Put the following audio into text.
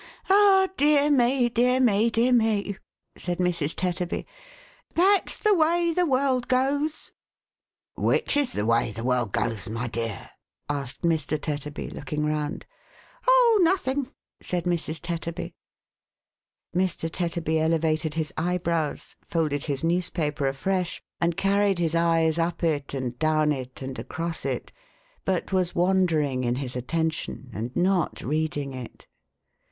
" Ah, dear me, dear me, dear me !" said Mrs. Tetterby. " That's the way the world goes !" "Which is the way the world goes, *my dear?" asked Mr. Tetterby, looking round. " Oh, nothing !" said Mrs. Tetterby. Mr. Tetterby elevated his eyebrows, folded his newspaper afresh, and carried his eyes up it, and down it, and aero it, but was wandering in his attention, and not reading it.